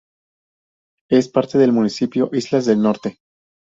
Es parte del Municipio Islas del Norte.